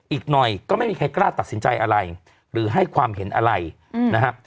อีกหน่อยก็ไม่มีใครกล้าตัดสินใจอะไรหรือให้ความเห็นอะไรนะครับ